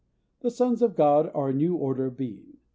The sons of God are a new order of being.